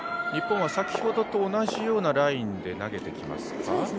日本は先ほどと同じようなラインで投げてきますか？